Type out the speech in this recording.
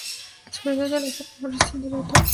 En "Survivor Series" Morrison derrotó a Sheamus.